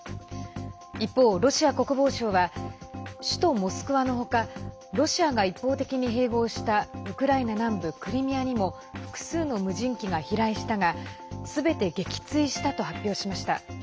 一方、ロシア国防省は首都モスクワの他ロシアが一方的に併合したウクライナ南部クリミアにも複数の無人機が飛来したがすべて撃墜したと発表しました。